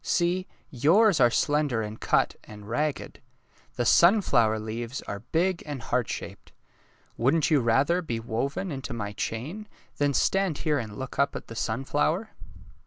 See, yours are slender and cut and ragged. The simflower leaves are big and heart shaped. Wouldn't you rather be woven into my chain than stand here and look up at the sunflower?